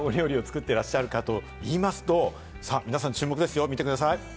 どんなお料理を作っていらっしゃるかと言いますと、皆さん注目ですよ、見てください。